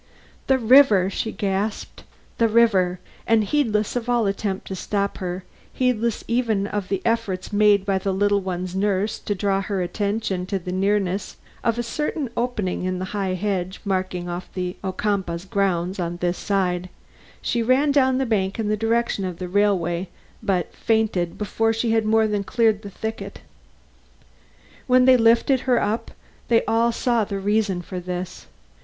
"The river!" she gasped, "the river!" and heedless of all attempt to stop her, heedless even of the efforts made by the little one's nurse to draw her attention to the nearness of a certain opening in the high hedge marking off the Ocumpaugh grounds on this side, she ran down the bank in the direction of the railway, but fainted before she had more than cleared the thicket. When they lifted her up, they all saw the reason for this.